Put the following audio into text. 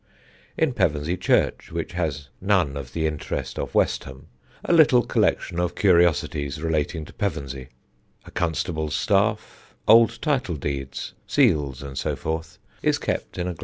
In Pevensey church, which has none of the interest of Westham, a little collection of curiosities relating to Pevensey a constable's staff, old title deeds, seals, and so forth is kept, in a glass case.